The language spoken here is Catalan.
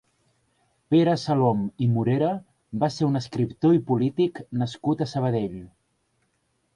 Pere Salom i Morera va ser un escriptor i polític nascut a Sabadell.